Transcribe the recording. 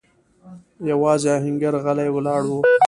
يواځې آهنګر غلی ولاړ و.